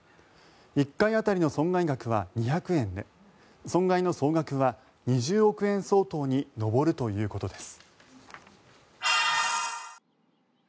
１回当たりの損害額は２００円で損害の総額は２０億円相当に上るということです。